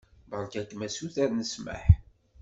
Beṛka-kem asuter n ssmaḥ.